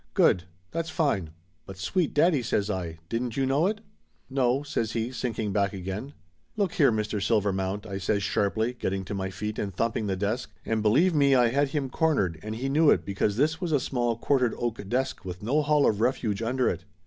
"Good! That's fine!" "But sweet daddy!" says I. "Didn't you know it?" "No," says he, sinking back again. "Look here, Mr. Silvermount!" I says sharply, get ting to my feet and thumping the desk, and believe me I had him cornered and he knew it because this was a small quartered oak desk with no hall of refuge under it.